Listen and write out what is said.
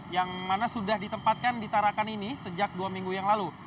yang mana sudah ditempatkan di tarakan ini sejak dua minggu yang lalu